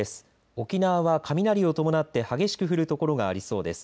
沖縄は雷を伴って激しく降る所がありそうです。